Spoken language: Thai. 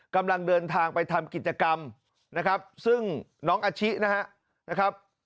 กำลังเดินทางไปทำกิจกรรมนะครับซึ่งน้องอาชินะครับ